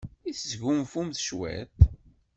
I tesgunfumt cwiṭ?